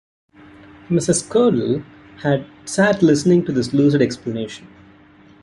Mrs. Curdle had sat listening to this lucid explanation.